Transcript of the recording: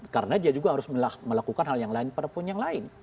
karena dia juga harus melakukan hal yang lain pada poin yang lain